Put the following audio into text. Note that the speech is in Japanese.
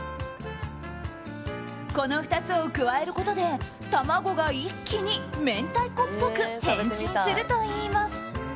この２つを加えることで卵が一気に明太子っぽく変身するといいます。